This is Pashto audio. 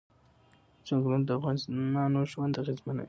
چنګلونه د افغانانو ژوند اغېزمن کوي.